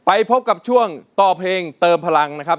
ไปพบกับช่วงต่อเพลงเติมพลังนะครับ